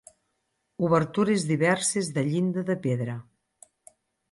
Obertures diverses de llinda de pedra.